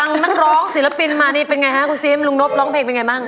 นักร้องศิลปินมานี่เป็นไงฮะคุณซิมลุงนบร้องเพลงเป็นไงบ้าง